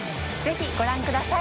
爾ご覧ください。